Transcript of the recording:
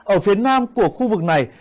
ở phía nam của khu vực này